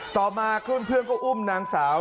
ต่อมาเพื่อนก็อุ้มนางสาว